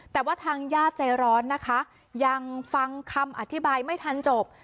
แต่ว่าทางญาติใจร้อนนะคะยังฟังคำอธิบายไม่ทันจบ